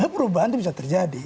perubahan itu bisa terjadi